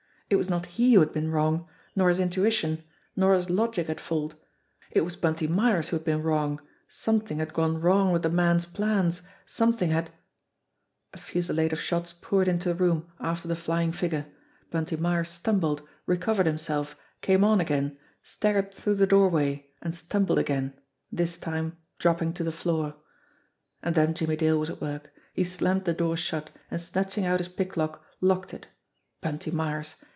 It was not he who had been wrong, nor his intuition, nor his logic at fault. It was Bunty Myers who had been wrong something had gone wrong with the man's plans, something had A fusillade of shots poured into the room after the flying THE BLACK BOX 251 figure. Bunty Myers stumbled, recovered himself, came on again, staggered through the doorway, and stumbled again this time dropping to the floor. And then Jimmie Dale was at work. He slammed the door shut, and snatching out his pick lock, locked it. Bunty Myers!